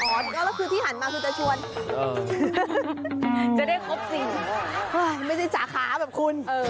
แล้วคือที่หันมาคือจะชวนจะได้ครบ๔ไม่ใช่สาขาแบบคุณ